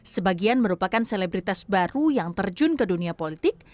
sebagian merupakan selebritas baru yang terjun ke dunia politik